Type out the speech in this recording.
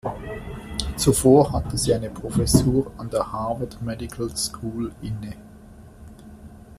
Zuvor hatte sie eine Professur an der Harvard Medical School inne.